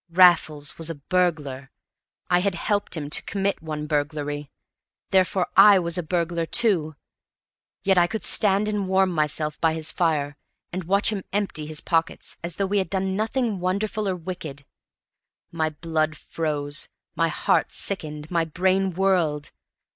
Raffles was a burglar. I had helped him to commit one burglary, therefore I was a burglar, too. Yet I could stand and warm myself by his fire, and watch him empty his pockets, as though we had done nothing wonderful or wicked! My blood froze. My heart sickened. My brain whirled.